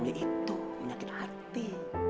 ya itu penyakit hati